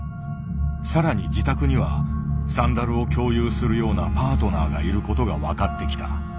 更に自宅にはサンダルを共有するようなパートナーがいることが分かってきた。